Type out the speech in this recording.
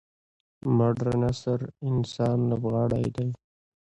مډرن عصر انسان لوبغاړی دی.